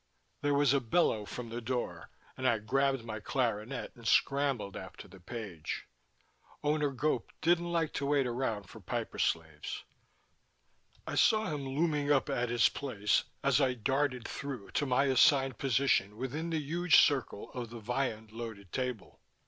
There was a bellow from the door, and I grabbed my clarinet and scrambled after the page. Owner Gope didn't like to wait around for piper slaves. I saw him looming up at his place, as I darted through to my assigned position within the huge circle of the viand loaded table.